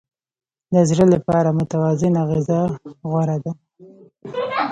د زړه لپاره متوازنه غذا غوره ده.